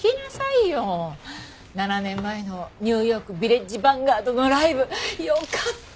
７年前のニューヨークビレッジ・バンガードのライブよかった！